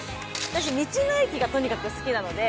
私道の駅がとにかく好きなので。